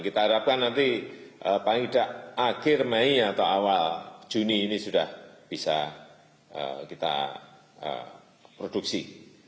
kita harapkan nanti paling tidak akhir mei atau awal juni ini sudah bisa kita produksi